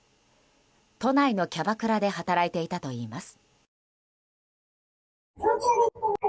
都内のキャバクラで働いていたといいます。